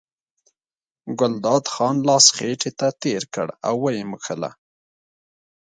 ګلداد خان لاس خېټې ته تېر کړ او یې مښله.